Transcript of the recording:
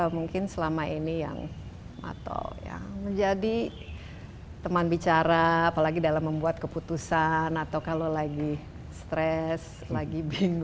pak jokowi ini yang atau yang menjadi teman bicara apalagi dalam membuat keputusan atau kalau lagi stress lagi bingung